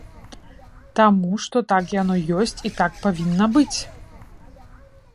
Таму, што так яно ёсць і так павінна быць.